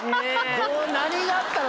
何があったの？